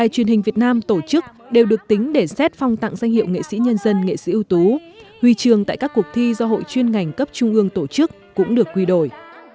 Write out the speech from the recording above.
truyền hình việt nam tổ chức đều được tính để xét phong tặng danh hiệu nghệ sĩ nhân dân nghệ sĩ ưu tú huy trường tại các cuộc thi do hội chuyên ngành cấp trung ương tổ chức cũng được quy đổi